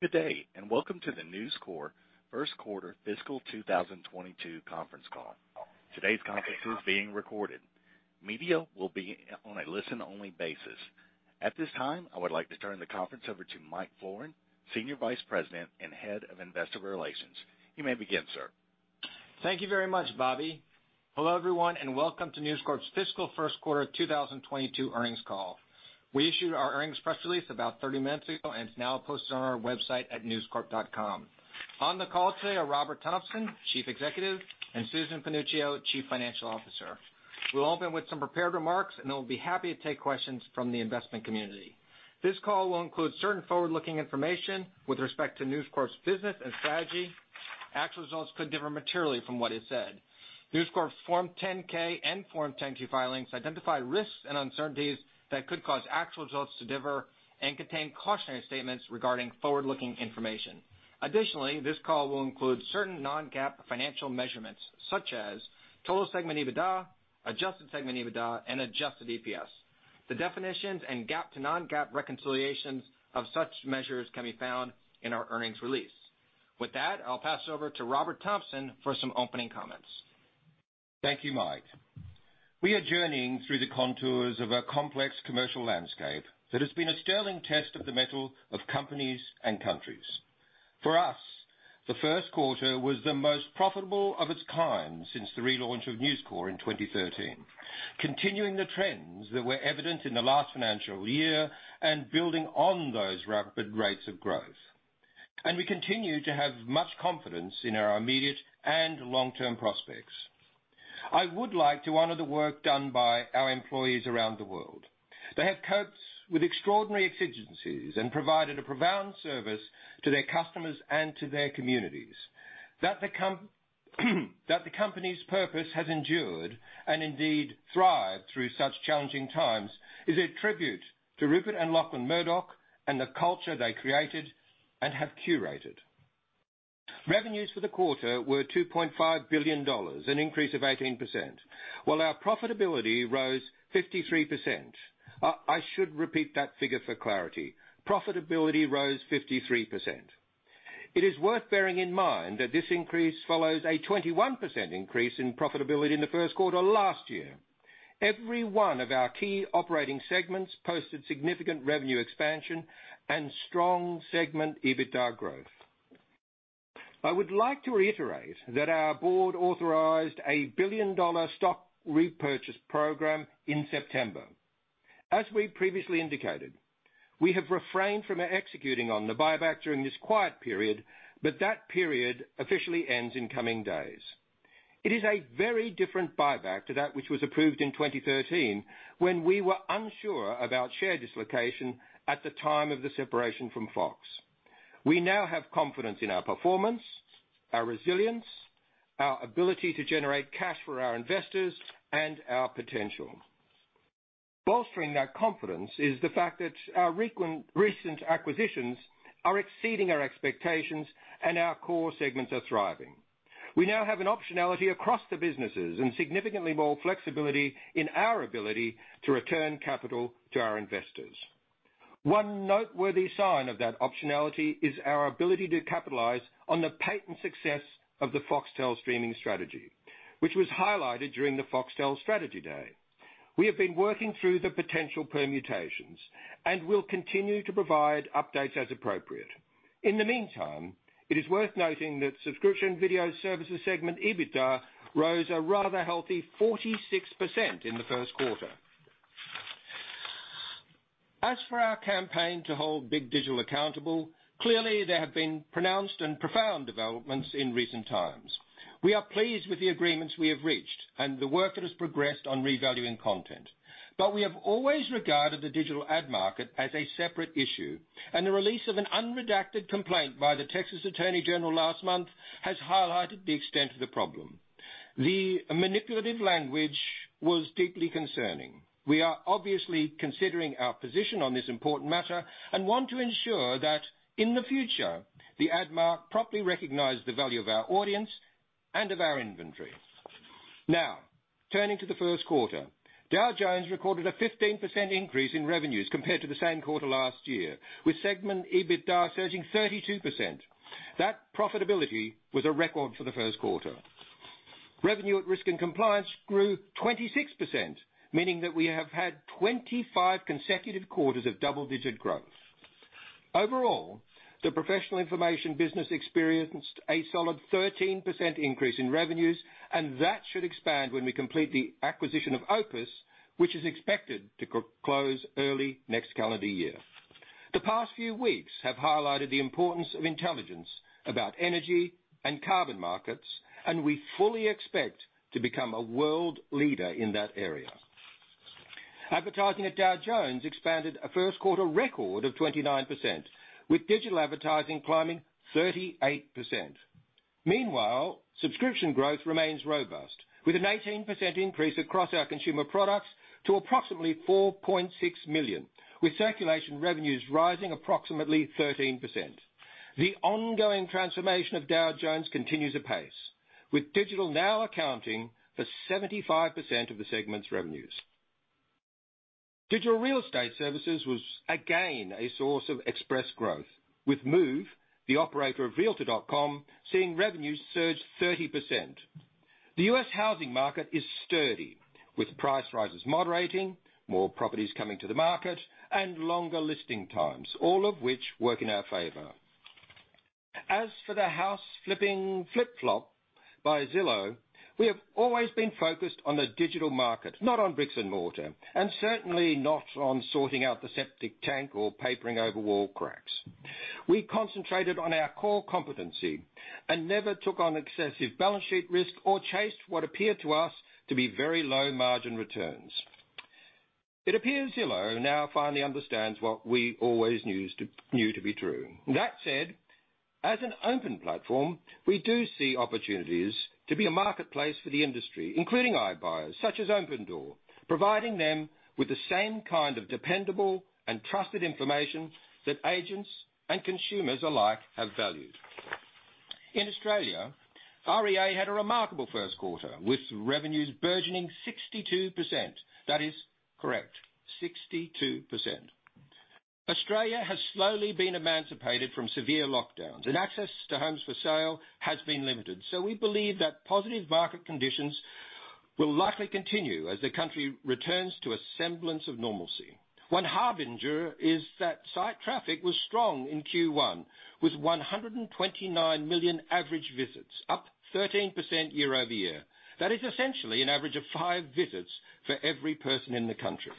Good day, and welcome to the News Corp first quarter fiscal 2022 conference call. Today's conference is being recorded. Media will be on a listen-only basis. At this time, I would like to turn the conference over to Michael Florin, Senior Vice President and Head of Investor Relations. You may begin, sir. Thank you very much, Bobby. Hello, everyone, and welcome to News Corp's fiscal first quarter 2022 earnings call. We issued our earnings press release about 30 min ago and it's now posted on our website at newscorp.com. On the call today are Robert Thomson, Chief Executive, and Susan Panuccio, Chief Financial Officer. We'll open with some prepared remarks, and then we'll be happy to take questions from the investment community. This call will include certain forward-looking information with respect to News Corp's business and strategy. Actual results could differ materially from what is said. News Corp's Form 10-K and Form 10-Q filings identify risks and uncertainties that could cause actual results to differ and contain cautionary statements regarding forward-looking information. Additionally, this call will include certain non-GAAP financial measurements such as total segment EBITDA, adjusted segment EBITDA, and adjusted EPS. The definitions and GAAP to non-GAAP reconciliations of such measures can be found in our earnings release. With that, I'll pass it over to Robert Thomson for some opening comments. Thank you, Mike. We are journeying through the contours of a complex commercial landscape that has been a sterling test of the mettle of companies and countries. For us, the first quarter was the most profitable of its kind since the relaunch of News Corp in 2013, continuing the trends that were evident in the last financial year and building on those rapid rates of growth. We continue to have much confidence in our immediate and long-term prospects. I would like to honor the work done by our employees around the world. They have coped with extraordinary exigencies and provided a profound service to their customers and to their communities. That the company's purpose has endured and indeed thrived through such challenging times is a tribute to Rupert and Lachlan Murdoch and the culture they created and have curated. Revenues for the quarter were $2.5 billion, an increase of 18%, while our profitability rose 53%. I should repeat that figure for clarity. Profitability rose 53%. It is worth bearing in mind that this increase follows a 21% increase in profitability in the first quarter last year. Every one of our key operating segments posted significant revenue expansion and strong segment EBITDA growth. I would like to reiterate that our board authorized a billion-dollar stock repurchase program in September. As we previously indicated, we have refrained from executing on the buyback during this quiet period, but that period officially ends in coming days. It is a very different buyback to that which was approved in 2013 when we were unsure about share dislocation at the time of the separation from Fox. We now have confidence in our performance, our resilience, our ability to generate cash for our investors, and our potential. Bolstering that confidence is the fact that our recent acquisitions are exceeding our expectations and our core segments are thriving. We now have an optionality across the businesses and significantly more flexibility in our ability to return capital to our investors. One noteworthy sign of that optionality is our ability to capitalize on the potent success of the Foxtel streaming strategy, which was highlighted during the Foxtel Strategy Day. We have been working through the potential permutations and will continue to provide updates as appropriate. In the meantime, it is worth noting that Subscription Video Services segment EBITDA rose a rather healthy 46% in the first quarter. As for our campaign to hold big digital accountable, clearly there have been pronounced and profound developments in recent times. We are pleased with the agreements we have reached and the work that has progressed on revaluing content. We have always regarded the digital ad market as a separate issue, and the release of an unredacted complaint by the Texas Attorney General last month has highlighted the extent of the problem. The manipulative language was deeply concerning. We are obviously considering our position on this important matter and want to ensure that in the future, the ad market properly recognizes the value of our audience and of our inventory. Now, turning to the first quarter, Dow Jones recorded a 15% increase in revenues compared to the same quarter last year, with segment EBITDA surging 32%. That profitability was a record for the first quarter. Revenue at Risk & Compliance grew 26%, meaning that we have had 25 consecutive quarters of double-digit growth. Overall, the professional information business experienced a solid 13% increase in revenues, and that should expand when we complete the acquisition of OPIS, which is expected to close early next calendar year. The past few weeks have highlighted the importance of intelligence about energy and carbon markets, and we fully expect to become a world leader in that area. Advertising at Dow Jones expanded a first quarter record of 29%, with digital advertising climbing 38%. Meanwhile, subscription growth remains robust, with an 18% increase across our consumer products to approximately 4.6 million, with circulation revenues rising approximately 13%. The ongoing transformation of Dow Jones continues apace, with digital now accounting for 75% of the segment's revenues. Digital Real Estate Services was again a source of impressive growth. With Move, the operator of realtor.com, seeing revenues surge 30%. The U.S. housing market is sturdy, with price rises moderating, more properties coming to the market, and longer listing times, all of which work in our favor. As for the house flipping flip-flop by Zillow, we have always been focused on the digital market, not on bricks and mortar, and certainly not on sorting out the septic tank or papering over wall cracks. We concentrated on our core competency and never took on excessive balance sheet risk or chased what appeared to us to be very low margin returns. It appears Zillow now finally understands what we always knew to be true. That said, as an open platform, we do see opportunities to be a marketplace for the industry, including iBuyers, such as Opendoor, providing them with the same kind of dependable and trusted information that agents and consumers alike have valued. In Australia, REA had a remarkable first quarter, with revenues burgeoning 62%. That is correct, 62%. Australia has slowly been emancipated from severe lockdowns, and access to homes for sale has been limited. We believe that positive market conditions will likely continue as the country returns to a semblance of normalcy. One harbinger is that site traffic was strong in Q1, with 129 million average visits, up 13% year-over-year. That is essentially an average of five visits for every person in the country.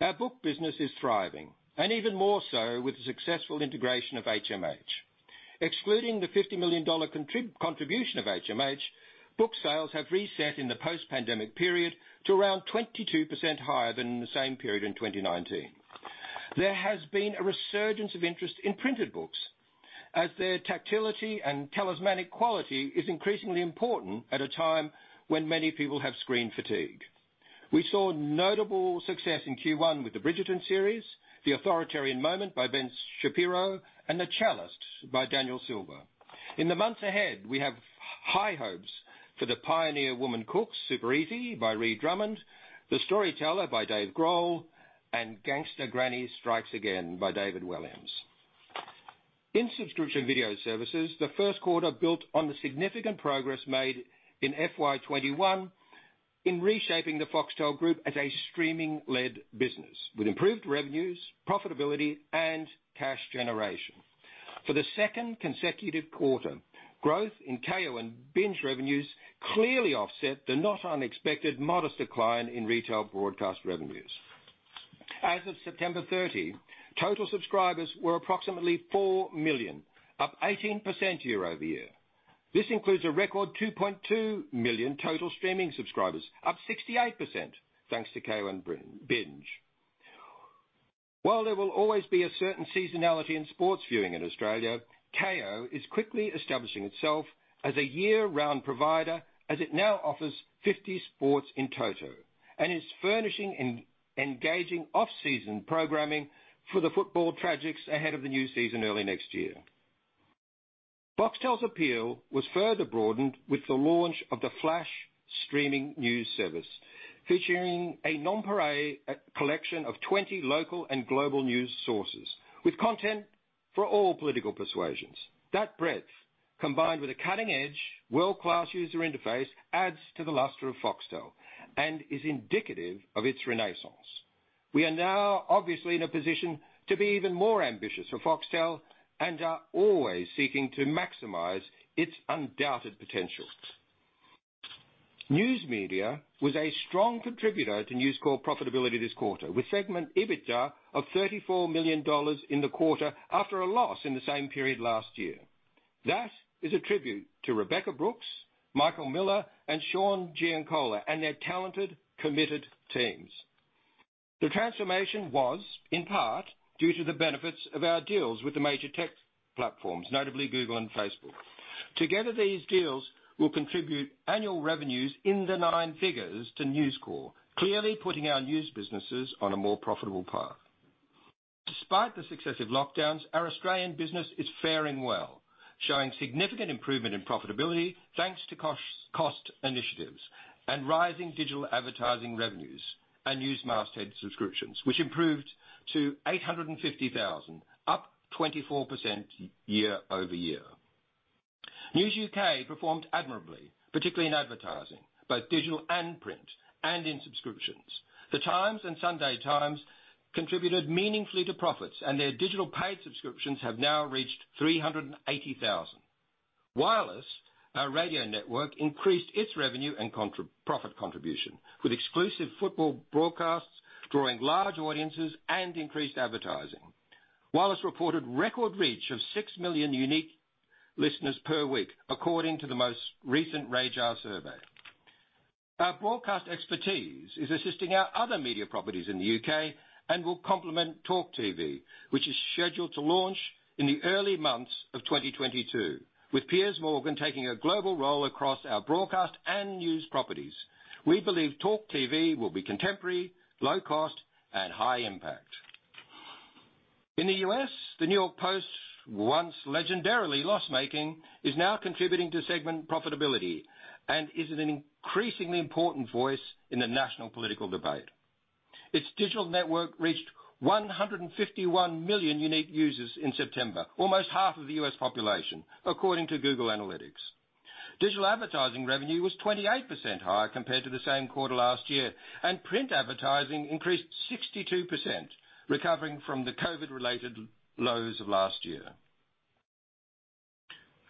Our book business is thriving, and even more so with the successful integration of HMH. Excluding the $50 million contribution of HMH, book sales have reset in the post-pandemic period to around 22% higher than the same period in 2019. There has been a resurgence of interest in printed books as their tactility and talismanic quality is increasingly important at a time when many people have screen fatigue. We saw notable success in Q1 with the Bridgerton series, The Authoritarian Moment by Ben Shapiro, and The Cellist by Daniel Silva. In the months ahead, we have high hopes for The Pioneer Woman Cooks: Super Easy by Ree Drummond, The Storyteller by Dave Grohl, and Gangsta Granny Strikes Again by David Walliams. In subscription video services, the first quarter built on the significant progress made in FY 2021 in reshaping the Foxtel Group as a streaming-led business with improved revenues, profitability, and cash generation. For the second consecutive quarter, growth in Kayo and Binge revenues clearly offset the not unexpected modest decline in retail broadcast revenues. As of September 30, total subscribers were approximately 4 million, up 18% year-over-year. This includes a record 2.2 million total streaming subscribers, up 68% thanks to Kayo and Binge. While there will always be a certain seasonality in sports viewing in Australia, Kayo is quickly establishing itself as a year-round provider as it now offers 50 sports in total, and is furnishing engaging off-season programming for the football tragics ahead of the new season early next year. Foxtel's appeal was further broadened with the launch of the Flash streaming news service, featuring a nonpareil collection of 20 local and global news sources with content for all political persuasions. That breadth, combined with a cutting-edge, world-class user interface, adds to the luster of Foxtel and is indicative of its renaissance. We are now obviously in a position to be even more ambitious for Foxtel and are always seeking to maximize its undoubted potential. News Media was a strong contributor to News Corp profitability this quarter, with segment EBITDA of $34 million in the quarter after a loss in the same period last year. That is a tribute to Rebekah Brooks, Michael Miller, and Sean Giancola, and their talented, committed teams. The transformation was, in part, due to the benefits of our deals with the major tech platforms, notably Google and Facebook. Together, these deals will contribute annual revenues in the nine figures to News Corp, clearly putting our news businesses on a more profitable path. Despite the successive lockdowns, our Australian business is faring well, showing significant improvement in profitability thanks to cost initiatives and rising digital advertising revenues and news mastheads subscriptions, which improved to 850,000, up 24% year-over-year. News UK performed admirably, particularly in advertising, both digital and print, and in subscriptions. The Times and Sunday Times contributed meaningfully to profits, and their digital paid subscriptions have now reached 380,000. Wireless, our radio network, increased its revenue and profit contribution with exclusive football broadcasts drawing large audiences and increased advertising. Wireless reported record reach of 6 million unique listeners per week, according to the most recent RAJAR survey. Our broadcast expertise is assisting our other media properties in the U.K. and will complement TalkTV, which is scheduled to launch in the early months of 2022, with Piers Morgan taking a global role across our broadcast and news properties. We believe TalkTV will be contemporary, low cost, and high impact. In the U.S., the New York Post, once legendarily loss-making, is now contributing to segment profitability and is an increasingly important voice in the national political debate. Its digital network reached 151 million unique users in September, almost half of the U.S. population, according to Google Analytics. Digital advertising revenue was 28% higher compared to the same quarter last year, and print advertising increased 62%, recovering from the COVID related lows of last year.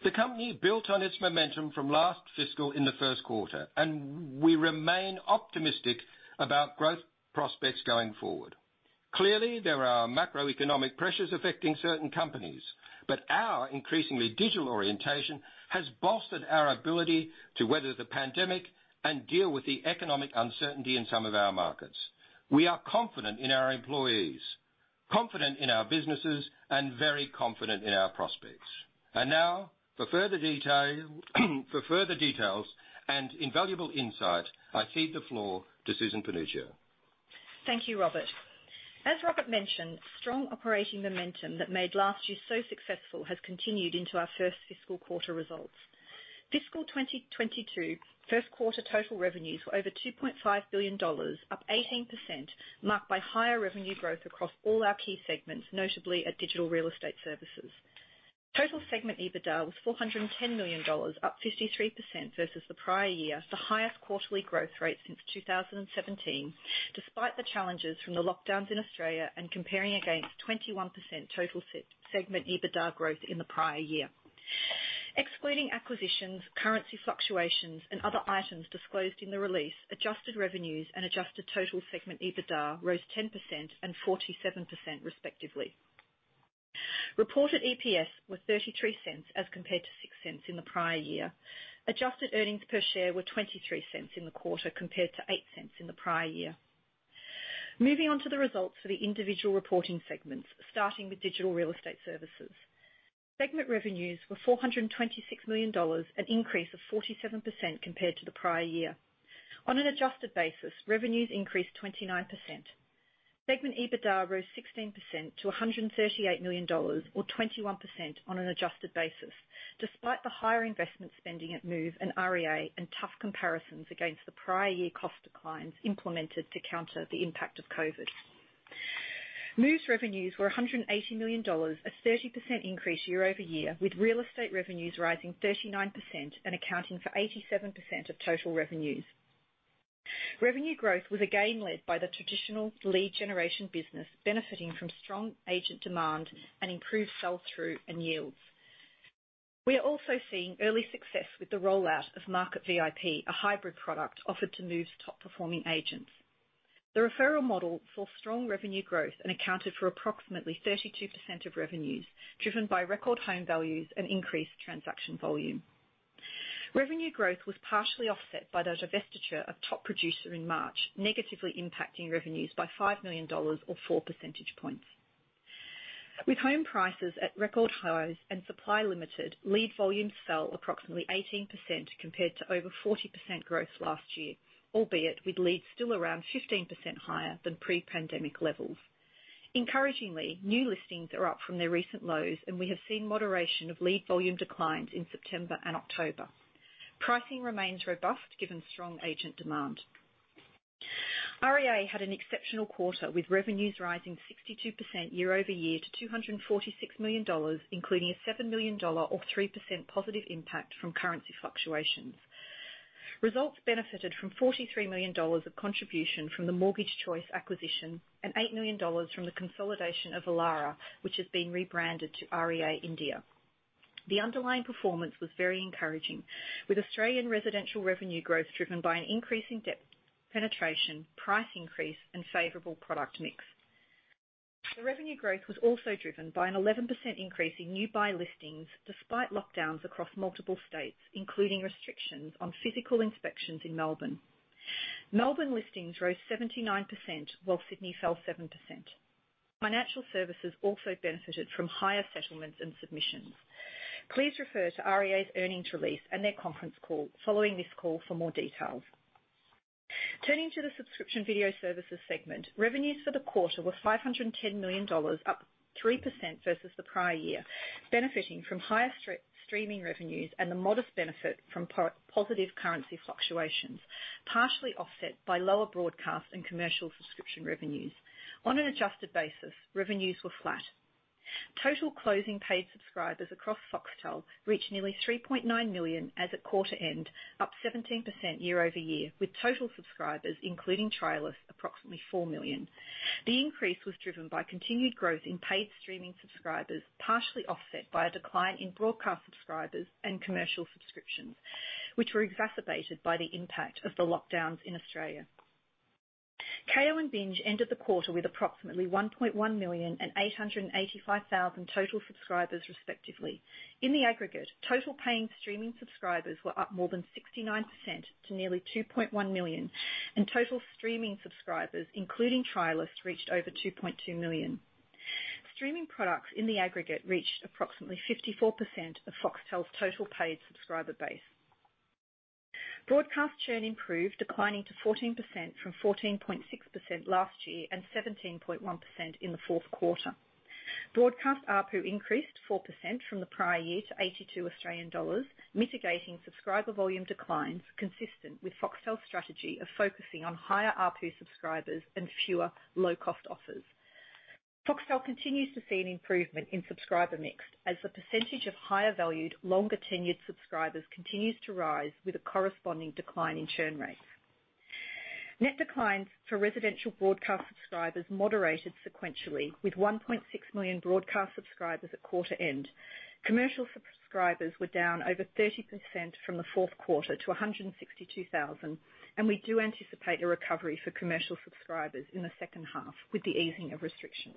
The company built on its momentum from last fiscal in the first quarter, and we remain optimistic about growth prospects going forward. Clearly, there are macroeconomic pressures affecting certain companies, but our increasingly digital orientation has bolstered our ability to weather the pandemic and deal with the economic uncertainty in some of our markets. We are confident in our employees, confident in our businesses, and very confident in our prospects. Now for further detail, for further details and invaluable insight, I cede the floor to Susan Panuccio. Thank you, Robert. As Robert mentioned, strong operating momentum that made last year so successful has continued into our first fiscal quarter results. Fiscal 2022 first quarter total revenues were over $2.5 billion, up 18%, marked by higher revenue growth across all our key segments, notably at Digital Real Estate Services. Total segment EBITDA was $410 million, up 53% versus the prior year, the highest quarterly growth rate since 2017, despite the challenges from the lockdowns in Australia and comparing against 21% total segment EBITDA growth in the prior year. Excluding acquisitions, currency fluctuations, and other items disclosed in the release, adjusted revenues and adjusted total segment EBITDA rose 10% and 47%, respectively. Reported EPS was $0.33 as compared to $0.06 in the prior year. Adjusted earnings per share were $0.23 in the quarter, compared to $0.08 in the prior year. Moving on to the results for the individual reporting segments, starting with Digital Real Estate Services. Segment revenues were $426 million, an increase of 47% compared to the prior year. On an adjusted basis, revenues increased 29%. Segment EBITDA rose 16% to $138 million or 21% on an adjusted basis, despite the higher investment spending at Move and REA and tough comparisons against the prior year cost declines implemented to counter the impact of COVID. Move's revenues were $180 million, a 30% increase year-over-year, with real estate revenues rising 39% and accounting for 87% of total revenues. Revenue growth was again led by the traditional lead generation business benefiting from strong agent demand and improved sell-through and yields. We are also seeing early success with the rollout of Market VIP, a hybrid product offered to Move's top performing agents. The referral model saw strong revenue growth and accounted for approximately 32% of revenues, driven by record home values and increased transaction volume. Revenue growth was partially offset by the divestiture of Top Producer in March, negatively impacting revenues by $5 million or 4 percentage points. With home prices at record highs and supply limited, lead volumes fell approximately 18% compared to over 40% growth last year, albeit with leads still around 15% higher than pre-pandemic levels. Encouragingly, new listings are up from their recent lows, and we have seen moderation of lead volume declines in September and October. Pricing remains robust given strong agent demand. REA had an exceptional quarter, with revenues rising 62% year-over-year to $246 million, including a $7 million or 3% positive impact from currency fluctuations. Results benefited from $43 million of contribution from the Mortgage Choice acquisition and $8 million from the consolidation of Elara, which has been rebranded to REA India. The underlying performance was very encouraging, with Australian residential revenue growth driven by an increase in depth penetration, price increase, and favorable product mix. The revenue growth was also driven by an 11% increase in new buy listings, despite lockdowns across multiple states, including restrictions on physical inspections in Melbourne. Melbourne listings rose 79%, while Sydney fell 7%. Financial services also benefited from higher settlements and submissions. Please refer to REA's earnings release and their conference call following this call for more details. Turning to the subscription video services segment. Revenues for the quarter were $510 million, up 3% versus the prior year, benefiting from higher streaming revenues and the modest benefit from positive currency fluctuations, partially offset by lower broadcast and commercial subscription revenues. On an adjusted basis, revenues were flat. Total closing paid subscribers across Foxtel reached nearly 3.9 million as at quarter end, up 17% year-over-year, with total subscribers, including trialists, approximately 4 million. The increase was driven by continued growth in paid streaming subscribers, partially offset by a decline in broadcast subscribers and commercial subscriptions, which were exacerbated by the impact of the lockdowns in Australia. Kayo and Binge ended the quarter with approximately 1.1 million and 885,000 total subscribers, respectively. In the aggregate, total paying streaming subscribers were up more than 69% to nearly 2.1 million, and total streaming subscribers, including trialists, reached over 2.2 million. Streaming products in the aggregate reached approximately 54% of Foxtel's total paid subscriber base. Broadcast churn improved, declining to 14% from 14.6% last year and 17.1% in the fourth quarter. Broadcast ARPU increased 4% from the prior year to 82 Australian dollars, mitigating subscriber volume declines consistent with Foxtel's strategy of focusing on higher ARPU subscribers and fewer low-cost offers. Foxtel continues to see an improvement in subscriber mix as the percentage of higher-valued, longer-tenured subscribers continues to rise with a corresponding decline in churn rates. Net declines for residential broadcast subscribers moderated sequentially with 1.6 million broadcast subscribers at quarter end. Commercial subscribers were down over 30% from the fourth quarter to 162,000, and we do anticipate a recovery for commercial subscribers in the second half with the easing of restrictions.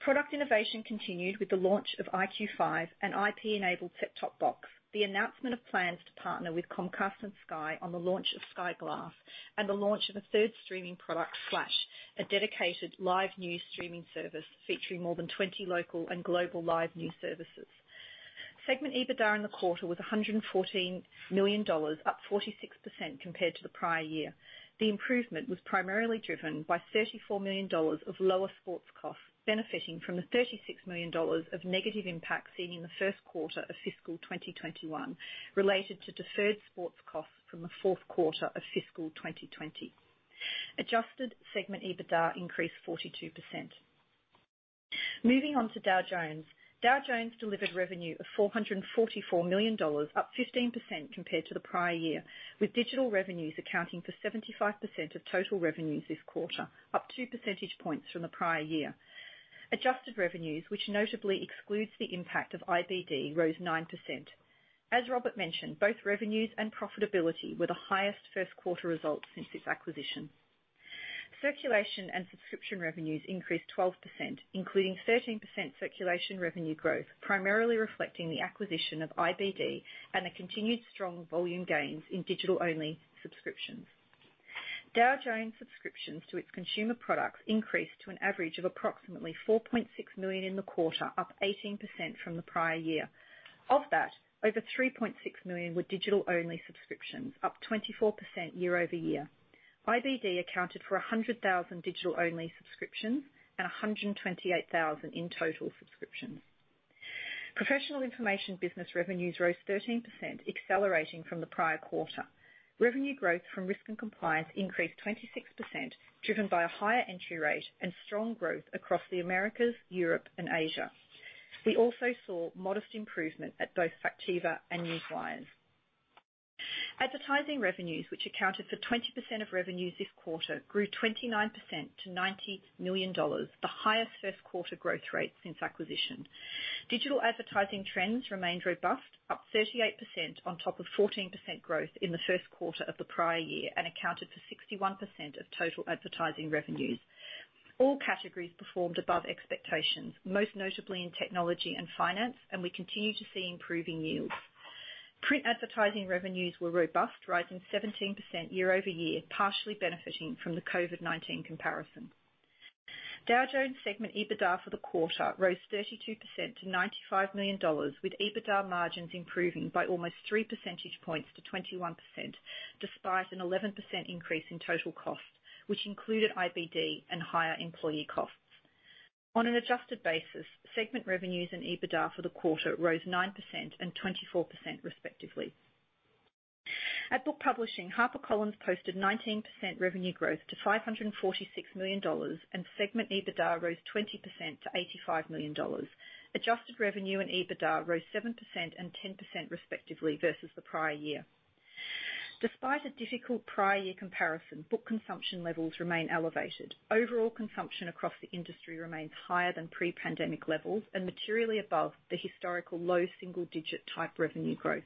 Product innovation continued with the launch of iQ5 and IP-enabled set-top box. The announcement of plans to partner with Comcast and Sky on the launch of Sky Glass and the launch of a third streaming product, Flash, a dedicated live news streaming service featuring more than 20 local and global live news services. Segment EBITDA in the quarter was $114 million, up 46% compared to the prior year. The improvement was primarily driven by $34 million of lower sports costs, benefiting from the $36 million of negative impact seen in the first quarter of fiscal 2021 related to deferred sports costs from the fourth quarter of fiscal 2020. Adjusted segment EBITDA increased 42%. Moving on to Dow Jones. Dow Jones delivered revenue of $444 million, up 15% compared to the prior year, with digital revenues accounting for 75% of total revenues this quarter, up two percentage points from the prior year. Adjusted revenues, which notably excludes the impact of IBD, rose 9%. As Robert mentioned, both revenues and profitability were the highest first quarter results since its acquisition. Circulation and subscription revenues increased 12%, including 13% circulation revenue growth, primarily reflecting the acquisition of IBD and the continued strong volume gains in digital-only subscriptions. Dow Jones subscriptions to its consumer products increased to an average of approximately 4.6 million in the quarter, up 18% from the prior year. Of that, over 3.6 million were digital-only subscriptions, up 24% year-over-year. IBD accounted for 100,000 digital-only subscriptions and 128,000 in total subscriptions. Professional information business revenues rose 13%, accelerating from the prior quarter. Revenue growth from Risk & Compliance increased 26%, driven by a higher entry rate and strong growth across the Americas, Europe, and Asia. We also saw modest improvement at both Factiva and Newswires. Advertising revenues, which accounted for 20% of revenues this quarter, grew 29% to $90 million, the highest first quarter growth rate since acquisition. Digital advertising trends remained robust, up 38% on top of 14% growth in the first quarter of the prior year and accounted for 61% of total advertising revenues. All categories performed above expectations, most notably in technology and finance, and we continue to see improving yields. Print advertising revenues were robust, rising 17% year-over-year, partially benefiting from the COVID-19 comparison. Dow Jones segment EBITDA for the quarter rose 32% to $95 million, with EBITDA margins improving by almost 3 percentage points to 21%, despite an 11% increase in total costs, which included IBD and higher employee costs. On an adjusted basis, segment revenues and EBITDA for the quarter rose 9% and 24% respectively. At book publishing, HarperCollins posted 19% revenue growth to $546 million, and segment EBITDA rose 20% to $85 million. Adjusted revenue and EBITDA rose 7% and 10%, respectively, versus the prior year. Despite a difficult prior year comparison, book consumption levels remain elevated. Overall consumption across the industry remains higher than pre-pandemic levels and materially above the historical low single-digit type revenue growth.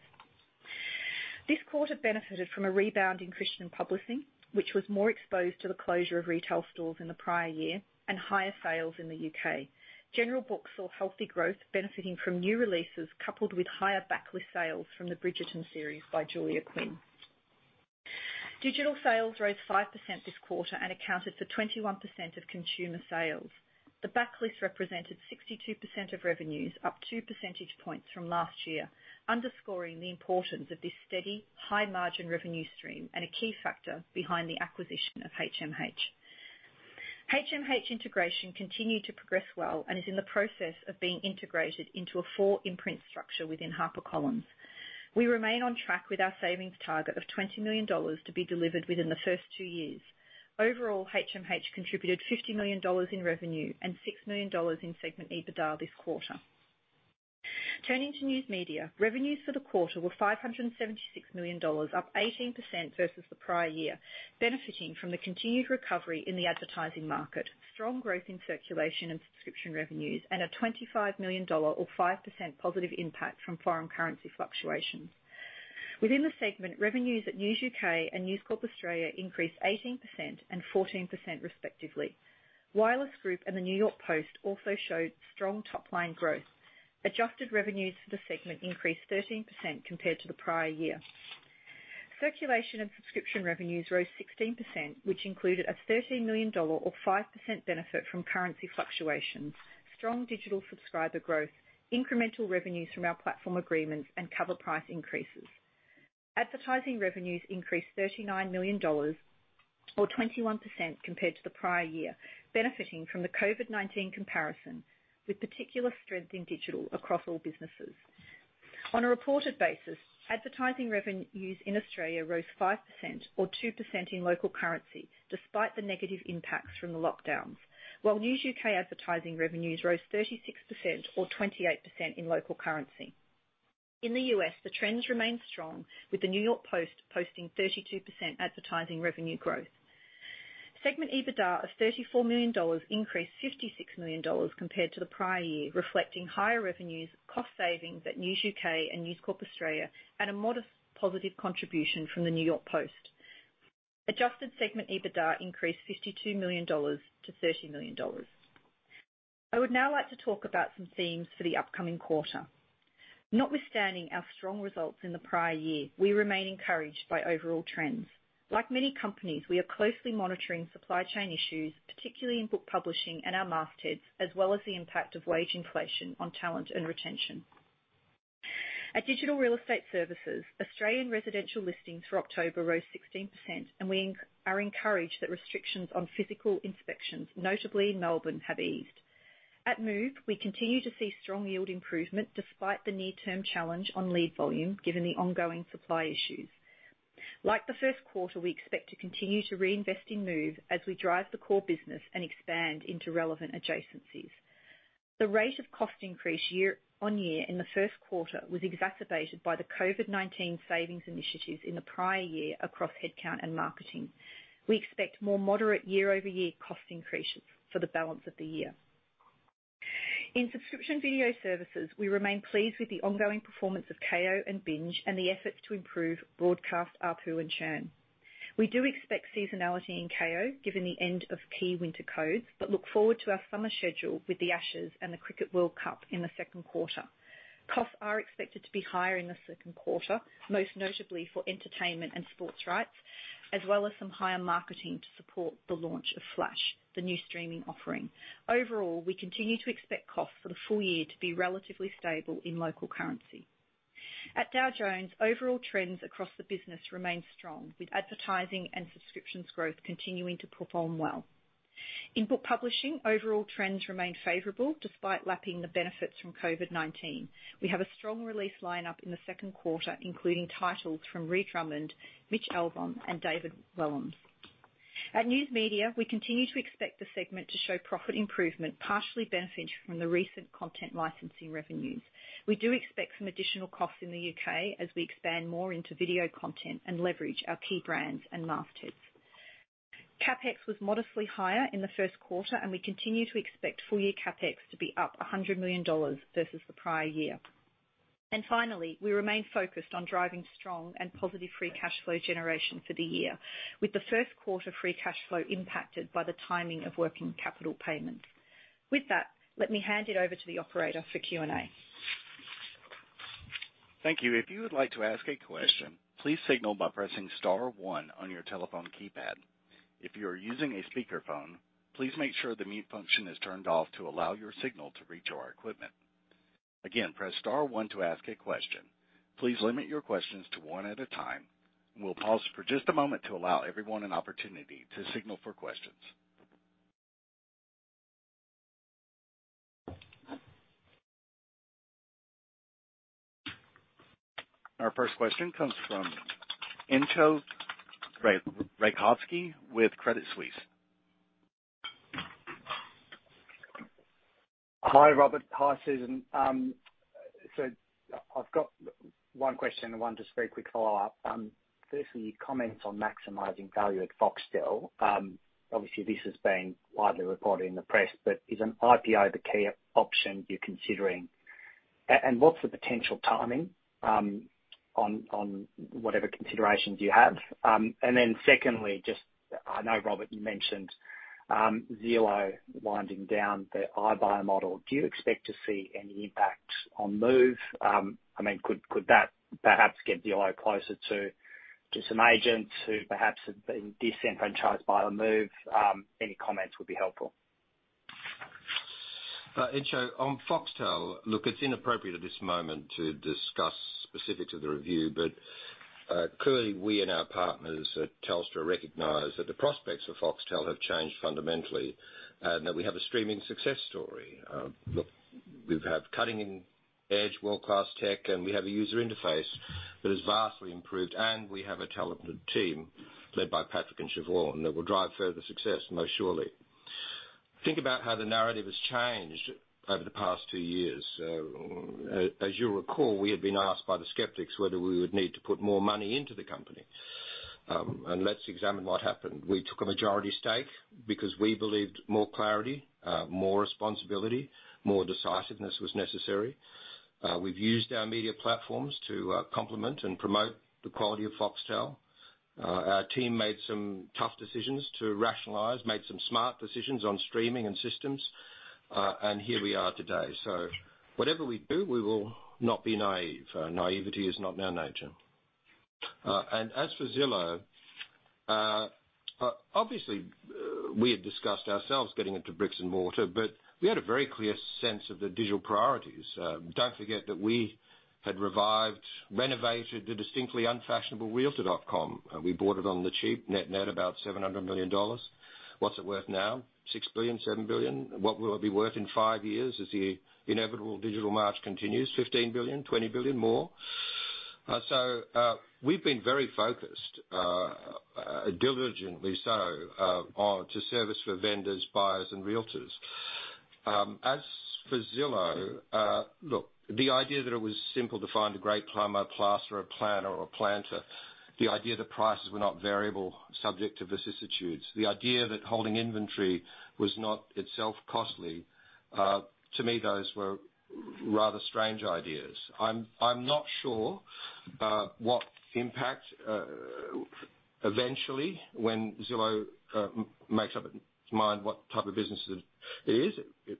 This quarter benefited from a rebound in Christian publishing, which was more exposed to the closure of retail stores in the prior year and higher sales in the U.K. General Books saw healthy growth benefiting from new releases coupled with higher backlist sales from the Bridgerton series by Julia Quinn. Digital sales rose 5% this quarter and accounted for 21% of consumer sales. The backlist represented 62% of revenues, up 2 percentage points from last year, underscoring the importance of this steady, high-margin revenue stream and a key factor behind the acquisition of HMH. HMH integration continued to progress well and is in the process of being integrated into a four imprint structure within HarperCollins. We remain on track with our savings target of $20 million to be delivered within the first two years. Overall, HMH contributed $50 million in revenue and $6 million in segment EBITDA this quarter. Turning to News Media. Revenues for the quarter were $576 million, up 18% versus the prior year, benefiting from the continued recovery in the advertising market, strong growth in circulation and subscription revenues, and a $25 million or 5% positive impact from foreign currency fluctuations. Within the segment, revenues at News UK and News Corp Australia increased 18% and 14%, respectively. Wireless Group and the New York Post also showed strong top-line growth. Adjusted revenues for the segment increased 13% compared to the prior year. Circulation and subscription revenues rose 16%, which included a $13 million or 5% benefit from currency fluctuations, strong digital subscriber growth, incremental revenues from our platform agreements and cover price increases. Advertising revenues increased $39 million or 21% compared to the prior year, benefiting from the COVID-19 comparison, with particular strength in digital across all businesses. On a reported basis, advertising revenues in Australia rose 5% or 2% in local currency, despite the negative impacts from the lockdowns. While News UK advertising revenues rose 36% or 28% in local currency. In the U.S., the trends remain strong, with the New York Post posting 32% advertising revenue growth. Segment EBITDA of $34 million increased $56 million compared to the prior year, reflecting higher revenues, cost savings at News UK and News Corp Australia, and a modest positive contribution from the New York Post. Adjusted segment EBITDA increased $52 million-$30 million. I would now like to talk about some themes for the upcoming quarter. Notwithstanding our strong results in the prior year, we remain encouraged by overall trends. Like many companies, we are closely monitoring supply chain issues, particularly in book publishing and our mastheads, as well as the impact of wage inflation on talent and retention. At Digital Real Estate Services, Australian residential listings for October rose 16%, and we are encouraged that restrictions on physical inspections, notably in Melbourne, have eased. At Move, we continue to see strong yield improvement despite the near-term challenge on lead volume, given the ongoing supply issues. Like the first quarter, we expect to continue to reinvest in Move as we drive the core business and expand into relevant adjacencies. The rate of cost increase year-over-year in the first quarter was exacerbated by the COVID-19 savings initiatives in the prior year across headcount and marketing. We expect more moderate year-over-year cost increases for the balance of the year. In subscription video services, we remain pleased with the ongoing performance of Kayo and Binge and the efforts to improve broadcast ARPU and churn. We do expect seasonality in Kayo, given the end of key winter codes, but look forward to our summer schedule with the Ashes and the Cricket World Cup in the second quarter. Costs are expected to be higher in the second quarter, most notably for entertainment and sports rights, as well as some higher marketing to support the launch of Flash, the new streaming offering. Overall, we continue to expect costs for the full year to be relatively stable in local currency. At Dow Jones, overall trends across the business remain strong, with advertising and subscriptions growth continuing to perform well. In book publishing, overall trends remain favorable despite lapping the benefits from COVID-19. We have a strong release line-up in the second quarter, including titles from Ree Drummond, Mitch Albom, and David Walliams. At News Media, we continue to expect the segment to show profit improvement, partially benefiting from the recent content licensing revenues. We do expect some additional costs in the U.K. as we expand more into video content and leverage our key brands and mastheads. CapEx was modestly higher in the first quarter, and we continue to expect full-year CapEx to be up $100 million versus the prior year. Finally, we remain focused on driving strong and positive free cash flow generation for the year, with the first quarter free cash flow impacted by the timing of working capital payments. With that, let me hand it over to the operator for Q&A. Thank you. If you would like to ask a question, please signal by pressing star one on your telephone keypad. If you are using a speakerphone, please make sure the mute function is turned off to allow your signal to reach our equipment. Again, press star one to ask a question. Please limit your questions to one at a time. We'll pause for just a moment to allow everyone an opportunity to signal for questions. Our first question comes from Entcho Raykovski with Credit Suisse. Hi, Robert. Hi, Susan. I've got one question and one just very quick follow-up. Firstly, your comments on maximizing value at Foxtel. Obviously this has been widely reported in the press, but is an IPO the key option you're considering? What's the potential timing on whatever considerations you have? Secondly, just, I know, Robert, you mentioned Zillow winding down their iBuyer model. Do you expect to see any impact on Move? I mean, could that perhaps get Zillow closer to some agents who perhaps have been disenfranchised by Move? Any comments would be helpful. Entcho, on Foxtel, look, it's inappropriate at this moment to discuss specifics of the review, but clearly, we and our partners at Telstra recognize that the prospects for Foxtel have changed fundamentally, and that we have a streaming success story. Look, we've had cutting-edge world-class tech, and we have a user interface that has vastly improved, and we have a talented team led by Patrick and Siobhan that will drive further success, most surely. Think about how the narrative has changed over the past two years. As you'll recall, we have been asked by the skeptics whether we would need to put more money into the company. Let's examine what happened. We took a majority stake because we believed more clarity, more responsibility, more decisiveness was necessary. We've used our media platforms to complement and promote the quality of Foxtel. Our team made some tough decisions to rationalize, made some smart decisions on streaming and systems, and here we are today. Whatever we do, we will not be naive. Naivety is not in our nature. As for Zillow, obviously, we had discussed ourselves getting into bricks and mortar, but we had a very clear sense of the digital priorities. Don't forget that we had revived, renovated the distinctly unfashionable realtor.com, and we bought it on the cheap, net net about $700 million. What's it worth now? $6 billion, $7 billion. What will it be worth in five years as the inevitable digital march continues? $15 billion, $20 billion more. We've been very focused, diligently so, on service for vendors, buyers, and realtors. As for Zillow, look, the idea that it was simple to find a great plumber, plasterer, planner or planter, the idea that prices were not variable subject to vicissitudes, the idea that holding inventory was not itself costly, to me, those were rather strange ideas. I'm not sure what impact eventually, when Zillow makes up its mind what type of business it is,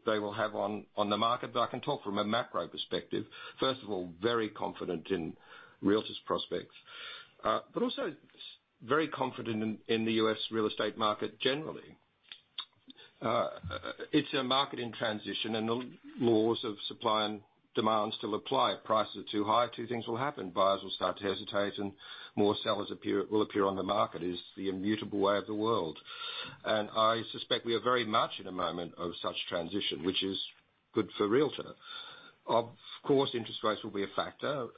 they will have on the market, but I can talk from a macro perspective. First of all, very confident in realtors' prospects, but also very confident in the U.S. real estate market generally. It's a market in transition and the laws of supply and demand still apply. If prices are too high, two things will happen. Buyers will start to hesitate and more sellers will appear on the market. It is the immutable way of the world. I suspect we are very much in a moment of such transition, which is good for realtor.com. Of course, interest rates will be a factor,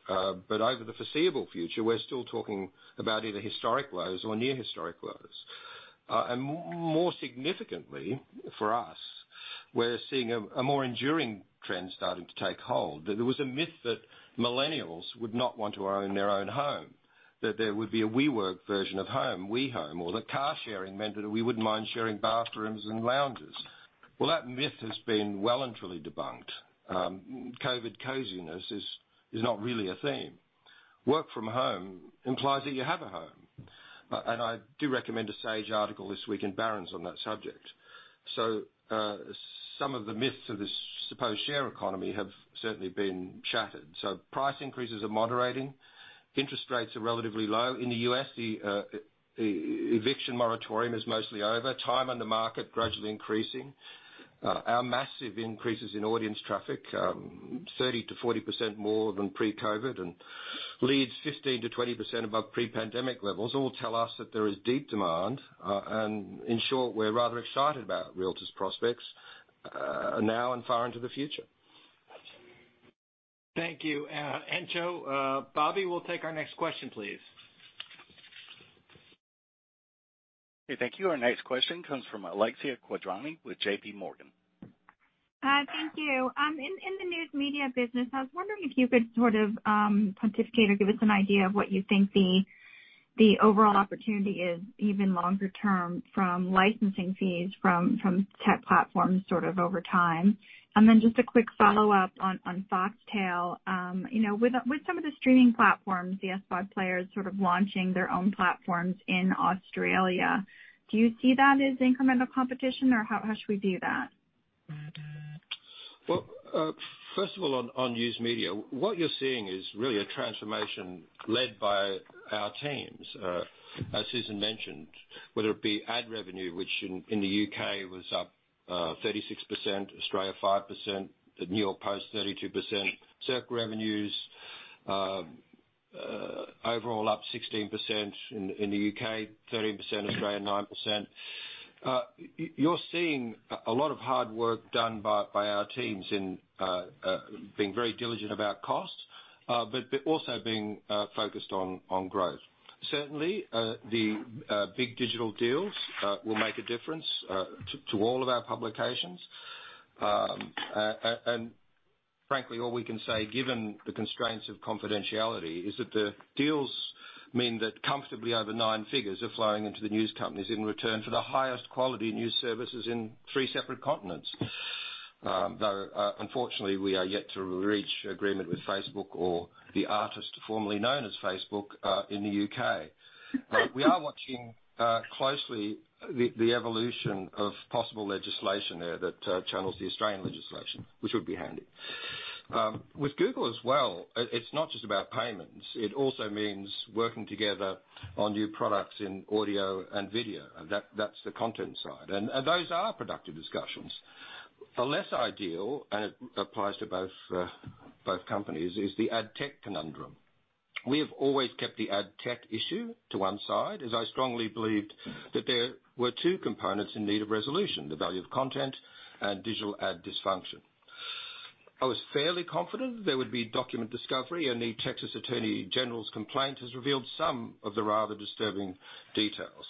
but over the foreseeable future, we're still talking about either historic lows or near historic lows. More significantly for us, we're seeing a more enduring trend starting to take hold. That there was a myth that millennials would not want to own their own home, that there would be a WeWork version of home, WeHome, or that car sharing meant that we wouldn't mind sharing bathrooms and lounges. Well, that myth has been well and truly debunked. COVID coziness is not really a thing. Work from home implies that you have a home. I do recommend the same article this week in Barron's on that subject. Some of the myths of this supposed sharing economy have certainly been shattered. Price increases are moderating. Interest rates are relatively low. In the U.S., the eviction moratorium is mostly over. Time on the market gradually increasing. Our massive increases in audience traffic, 30%-40% more than pre-COVID, and leads 15%-20% above pre-pandemic levels all tell us that there is deep demand. In short, we're rather excited about realtor.com's prospects, now and far into the future. Thank you, Entcho. Bobby will take our next question, please. Okay, thank you. Our next question comes from Alexia Quadrani with JPMorgan. Thank you. In the news media business, I was wondering if you could sort of pontificate or give us an idea of what you think the overall opportunity is even longer term from licensing fees from tech platforms sort of over time. Just a quick follow-up on Foxtel. You know, with some of the streaming platforms, the SVOD players sort of launching their own platforms in Australia, do you see that as incremental competition? Or how should we view that? Well, first of all, on news media, what you're seeing is really a transformation led by our teams, as Susan mentioned, whether it be ad revenue, which in the U.K. was up 36%, Australia, 5%, the New York Post, 32%. Circ revenues overall up 16% in the U.K., 13%, Australia, 9%. You're seeing a lot of hard work done by our teams in being very diligent about costs, but also being focused on growth. Certainly, the big digital deals will make a difference to all of our publications. Frankly, all we can say, given the constraints of confidentiality, is that the deals mean that comfortably over nine figures are flowing into the news companies in return for the highest quality news services in three separate continents. Though, unfortunately, we are yet to reach agreement with Facebook or the artist formerly known as Facebook in the U.K. We are watching closely the evolution of possible legislation there that channels the Australian legislation, which would be handy. With Google as well, it's not just about payments, it also means working together on new products in audio and video. That's the content side. Those are productive discussions. The less ideal, and it applies to both companies, is the ad tech conundrum. We have always kept the ad tech issue to one side, as I strongly believed that there were two components in need of resolution, the value of content and digital ad dysfunction. I was fairly confident there would be document discovery, and the Texas Attorney General's complaint has revealed some of the rather disturbing details.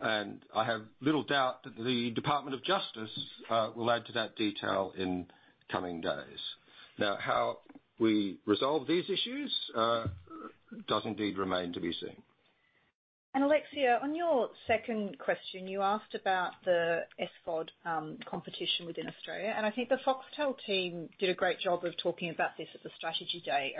I have little doubt that the Department of Justice will add to that detail in coming days. Now, how we resolve these issues does indeed remain to be seen. Alexia, on your second question, you asked about the SVOD competition within Australia, and I think the Foxtel team did a great job of talking about this at the strategy day,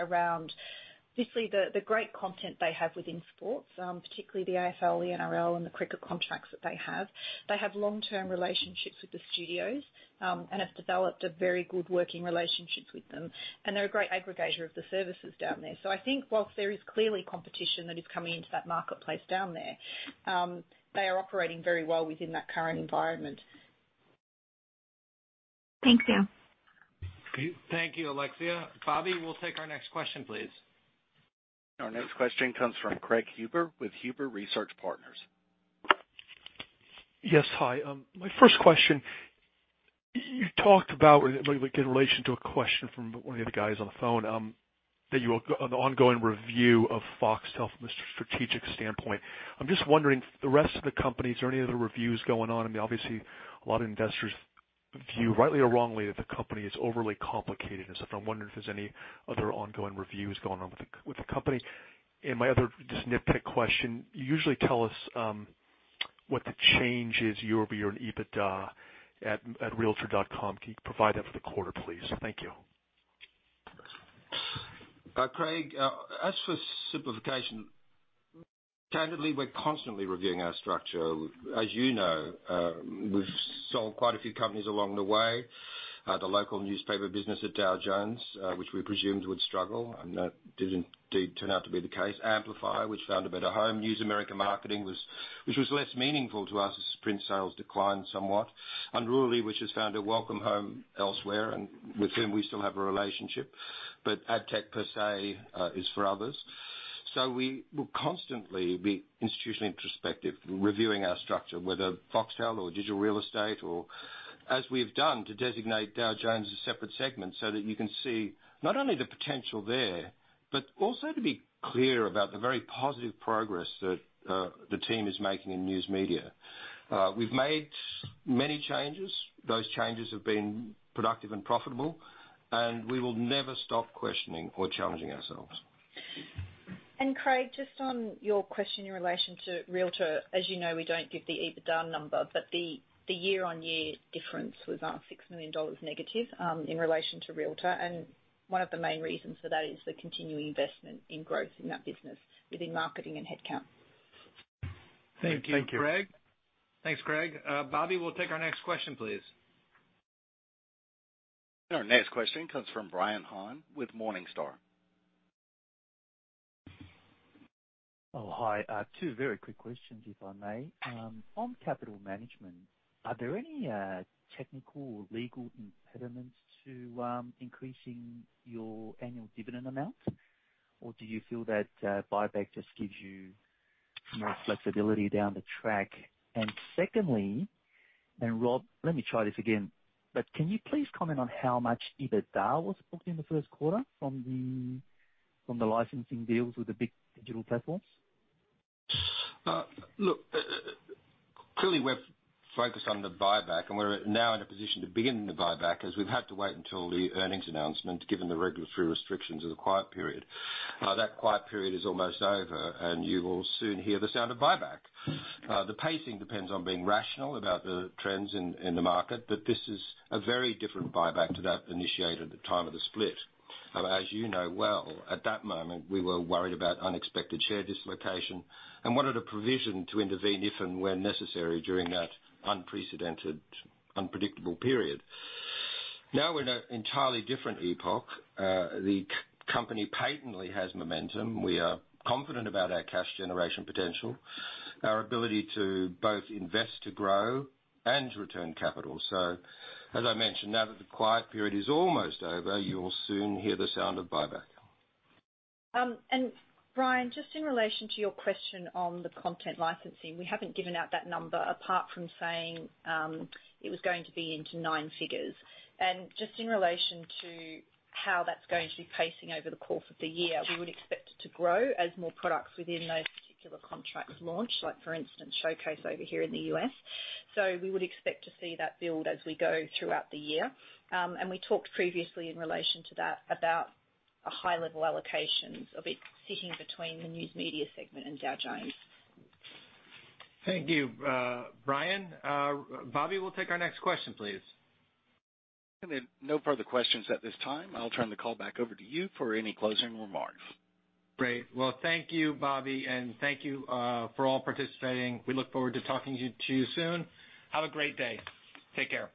obviously the great content they have within sports, particularly the AFL, the NRL, and the cricket contracts that they have. They have long-term relationships with the studios, and have developed a very good working relationship with them, and they're a great aggregator of the services down there. I think while there is clearly competition that is coming into that marketplace down there, they are operating very well within that current environment. Thank you.. Thank you, Alexia. Bobby, we'll take our next question, please. Our next question comes from Craig Huber with Huber Research Partners. Yes, hi. My first question, you talked about, like in relation to a question from one of the other guys on the phone, that you on the ongoing review of Foxtel from a strategic standpoint. I'm just wondering, the rest of the company, is there any other reviews going on? I mean, obviously, a lot of investors view, rightly or wrongly, that the company is overly complicated and stuff. I'm wondering if there's any other ongoing reviews going on with the company. My other just nitpick question, you usually tell us what the change is year-over-year in EBITDA at realtor.com. Can you provide that for the quarter, please? Thank you. Craig, as for simplification, candidly, we're constantly reviewing our structure. As you know, we've sold quite a few companies along the way. The local newspaper business at Dow Jones, which we presumed would struggle, and that did indeed turn out to be the case. Amplify, which found a better home. News America Marketing, which was less meaningful to us as print sales declined somewhat. Unruly, which has found a welcome home elsewhere, and with whom we still have a relationship, but ad tech per se is for others. We will constantly be institutionally introspective, reviewing our structure, whether Foxtel or Digital Real Estate or as we've done to designate Dow Jones a separate segment so that you can see not only the potential there, but also to be clear about the very positive progress that the team is making in news media. We've made many changes. Those changes have been productive and profitable, and we will never stop questioning or challenging ourselves. Craig, just on your question in relation to realtor.com, as you know, we don't give the EBITDA number, but the year-over-year difference was -$6 million in relation to realtor.com. One of the main reasons for that is the continuing investment in growth in that business within marketing and headcount. Thank you. Thank you, Craig. Bobby, we'll take our next question, please. Our next question comes from Brian Han with Morningstar. Oh, hi. Two very quick questions, if I may. On capital management, are there any technical or legal impediments to increasing your annual dividend amount, or do you feel that buyback just gives you more flexibility down the track? Secondly, Rob, let me try this again, but can you please comment on how much EBITDA was booked in the first quarter from the licensing deals with the big digital platforms? Look, clearly we're focused on the buyback, and we're now in a position to begin the buyback as we've had to wait until the earnings announcement, given the regulatory restrictions of the quiet period. That quiet period is almost over, and you will soon hear the sound of buyback. The pacing depends on being rational about the trends in the market, but this is a very different buyback to that initiated at the time of the split. As you know well, at that moment, we were worried about unexpected share dislocation and wanted a provision to intervene if and when necessary during that unprecedented, unpredictable period. Now, we're in an entirely different epoch. The company patently has momentum. We are confident about our cash generation potential, our ability to both invest to grow and return capital. As I mentioned, now that the quiet period is almost over, you will soon hear the sound of buyback. Brian, just in relation to your question on the content licensing, we haven't given out that number apart from saying, it was going to be into nine figures. Just in relation to how that's going to be pacing over the course of the year, we would expect it to grow as more products within those particular contracts launch. Like for instance, Google News Showcase over here in the U.S. We would expect to see that build as we go throughout the year. We talked previously in relation to that about a high level allocations of it sitting between the News Media segment and Dow Jones. Thank you, Brian. Bobby, we'll take our next question, please. No further questions at this time. I'll turn the call back over to you for any closing remarks. Great. Well, thank you, Bobby, and thank you for all participating. We look forward to talking to you soon. Have a great day. Take care.